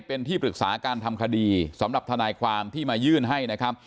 เป็นที่ปรึกษาการทำคดีสำหรับทนายความที่มายื่นให้นะครับ